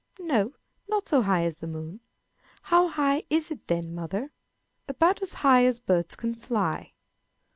"No, not so high as the moon." "How high is it then, mother?" "About as high as birds can fly."